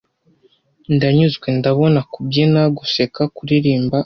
Ndanyuzwe - Ndabona, kubyina, guseka, kuririmba;